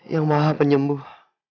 yang maha penyembuh